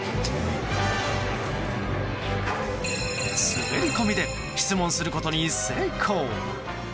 滑り込みで質問することに成功。